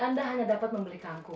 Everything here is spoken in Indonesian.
anda hanya bisa membeli kanku